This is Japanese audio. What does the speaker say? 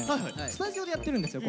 スタジオでやってるんですよ